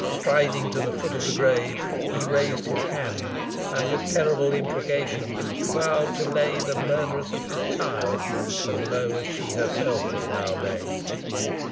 Striding to the foot of the grave he raised his hand, and with terrible imprecations vowed to lay the murtheress of his child as low as she herself was now laid.